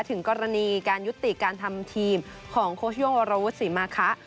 ถึงกรณีการยุติการทำทีมของโค้ชโย่งวรวุฒิศรีมาคะ